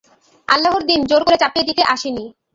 আল্লাহর দ্বীন জোর করে চাপিয়ে দিতে আসিনি।